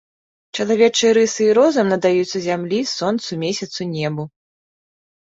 Чалавечыя рысы і розум надаюцца зямлі, сонцу, месяцу, небу.